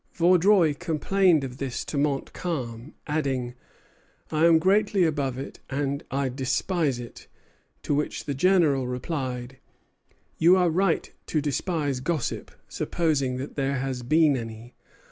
Vaudreuil complained of this to Montcalm, adding, "I am greatly above it, and I despise it." To which the General replied: "You are right to despise gossip, supposing that there has been any.